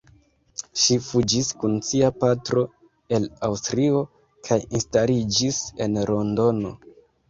Ŝi fuĝis kun sia patro el Aŭstrio kaj instaliĝis en Londono.